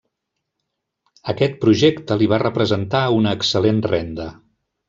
Aquest projecte li va representar una excel·lent renda.